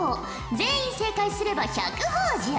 全員正解すれば１００ほぉじゃ。